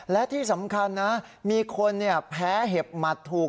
และที่สำคัญนะมีคนแพ้เห็บหมัดถูก